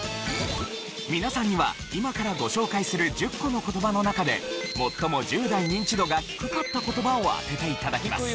皆さんには今からご紹介する１０個の言葉の中で最も１０代ニンチドが低かった言葉を当てて頂きます。